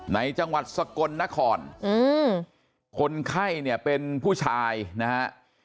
ในจังหวัดสกลนครอืมคนไข้เนี่ยเป็นผู้ชายนะฮะ